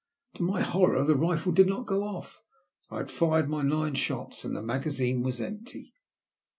To my horror the rifle did not go off. I had fired my nine shots, and the magazine was empty.